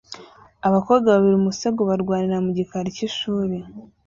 Abakobwa babiri umusego barwanira mu gikari cy'ishuri